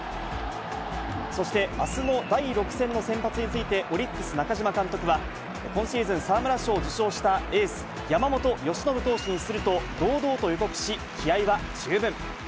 そしてあすの第６戦の先発について、オリックス、中嶋監督は、今シーズン、沢村賞を受賞したエース、山本由伸投手にすると、堂々と予告し、気合いは十分。